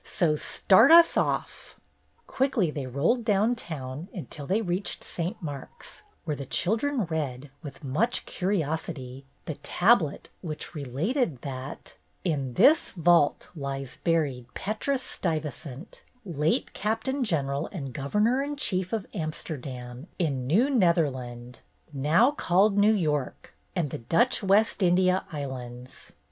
So start us off." Quickly they rolled down town, until they reached St. Mark's, where the children read, with much curiosity, the tablet which related that HISTORY CLUB VISITS NEW YORK 247 '' In this vault lies buried Petrus Stuyvesant, Late Captain general and Governor in Chief of Amsterdam in New Netherland now called New York and the Dutch West India Islands.